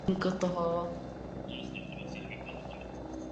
Druhým je decentralizace a rovné podmínky pro všechny tamní menšiny.